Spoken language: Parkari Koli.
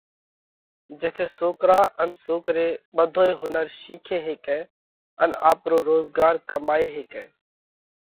جيٿئہ سوڪرا ان سوڪري ٻڌوئي هُنر شِيکي هيڪئہ ان آپرو روزڳار ڪمائي هيڪئہ۔